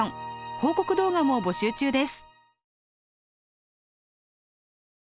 報告動画も募集中です。